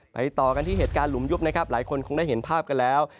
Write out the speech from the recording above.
ต่อกันที่เหตุการณ์หลุมยุบนะครับหลายคนคงได้เห็นภาพกันแล้ว